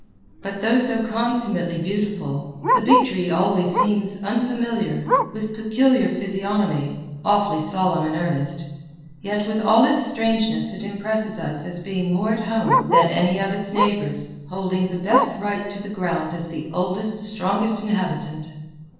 But though so consummately beautiful, the big tree always seems unfamiliar, with peculiar physiognomy, awfully solemn and earnest; yet with all its strangeness it impresses us as being more at home than any of its neighbors, holding the best right to the ground as the oldest strongest inhabitant.